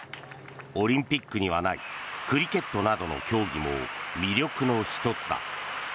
オリンピックにはないクリケットなどの競技も魅力の１つだ。